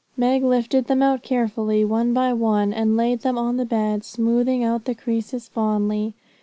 Meg lifted them out carefully one by one, and laid them on the bed, smoothing out the creases fondly.